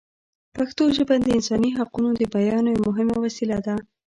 پښتو ژبه د انساني حقونو د بیان یوه مهمه وسیله ده.